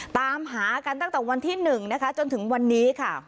ตามหากันตั้งแต่วันที่๑นะคะจนถึงวันนี้ค่ะ